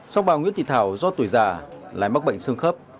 sau bào nguyên thị thảo do tuổi già lại mắc bệnh sương khớp